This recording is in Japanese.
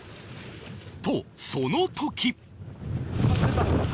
とその時！